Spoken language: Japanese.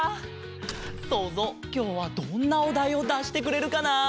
そうぞうきょうはどんなおだいをだしてくれるかな？